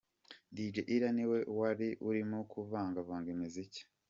Dj Ira ni we wari urimo kuvangavanga imiziki.